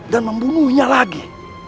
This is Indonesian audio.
dan membunuhnya lagi